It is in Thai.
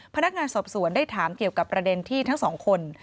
พนักงานสอบสวนได้ถามเกี่ยวกับประเด็นที่ทั้งสองคน